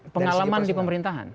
pengalaman di pemerintahan